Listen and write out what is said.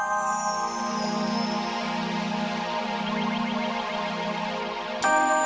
karena abang pengiriman kalian disana talk bahasa dari sekolahpun